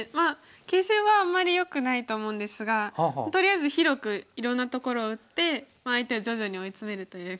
形勢はあんまりよくないと思うんですがとりあえず広くいろんなところを打って相手を徐々に追い詰めるというか。